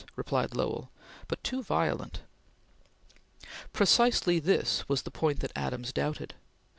replied Lowell, "but too violent!" Precisely this was the point that Adams doubted.